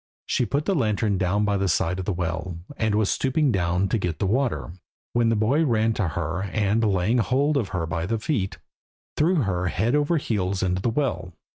She put the lantern down by the side of the well, and was stooping down to get the water, when the boy ran to her, and, laying hold of her by the feet, threw her head over heels into the well.